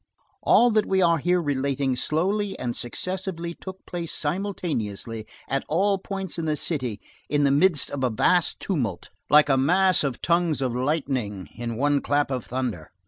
All that we are here relating slowly and successively took place simultaneously at all points of the city in the midst of a vast tumult, like a mass of tongues of lightning in one clap of thunder.